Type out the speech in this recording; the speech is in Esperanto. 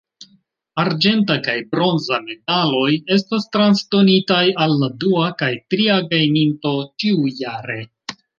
Arĝenta kaj bronza medaloj estas transdonitaj al la dua kaj tria gajninto ĉiujare.